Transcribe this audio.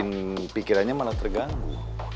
maka itu membuatnya pikirannya malah terganggu